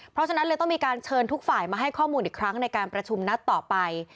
เพราะฉะนั้นเลยต้องมีการเชิญทุกฝ่ายมาให้ข้อมูลอีกครั้งในการประชุมนัดต่อไป